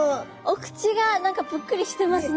お口が何かぷっくりしてますね。